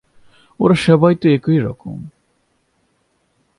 ওরা সবাই তো এরকমই।